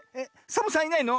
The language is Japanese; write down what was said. サボさんいないの？